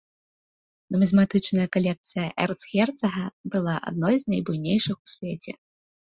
Нумізматычная калекцыя эрцгерцага была адной з найбуйнейшых у свеце.